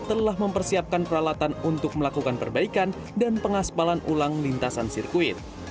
telah mempersiapkan peralatan untuk melakukan perbaikan dan pengaspalan ulang lintasan sirkuit